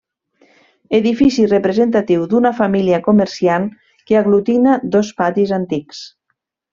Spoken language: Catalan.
Edifici representatiu d'una família comerciant, que aglutina dos patis antics.